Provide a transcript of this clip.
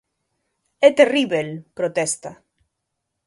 "É terríbel", protesta.